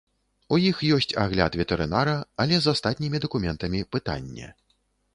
У іх ёсць агляд ветэрынара, але з астатнімі дакументамі пытанне.